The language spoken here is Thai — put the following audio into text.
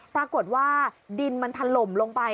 ปรากฏว่าดินมันถล่มลงไป